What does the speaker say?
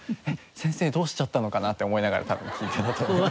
「先生どうしちゃったのかな？」って思いながら多分聞いてたと思います。